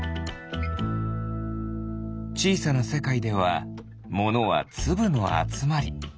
ちいさなせかいではものはつぶのあつまり。